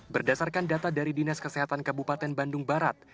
berdasarkan data dari dinas kesehatan kabupaten bandung barat